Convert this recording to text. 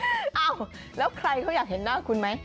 อ้าวแล้วใครเขาอยากเห็นหน้าคุณไหม